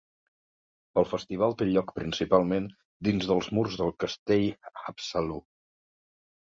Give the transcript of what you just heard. El festival té lloc principalment dins dels murs del castell Haapsalu.